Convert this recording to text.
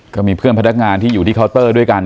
ก็มีเพื่อนพนักงานที่อยู่ที่เคาน์เตอร์ด้วยกัน